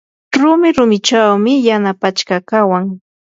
rumi rumichawmi yana pachka kawan.